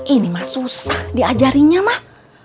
ini mah susah diajarinnya mah